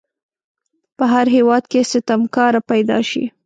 په هر هیواد کې ستمکاره پیداشي.